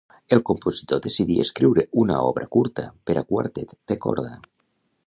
El compositor decidí escriure una obra curta per a quartet de corda.